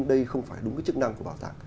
đây không phải đúng cái chức năng của bảo tàng